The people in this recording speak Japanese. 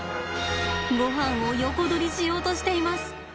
ごはんを横取りしようとしています。